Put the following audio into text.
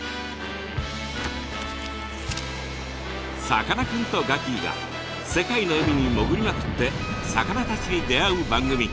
さかなクンとガキィが世界の海に潜りまくって魚たちに出会う番組！